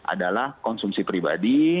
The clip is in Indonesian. adalah konsumsi pribadi